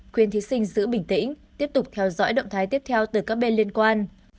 khuyên thí sinh giữ bình tĩnh tiếp tục theo dõi động thái tiếp theo từ các bên liên quan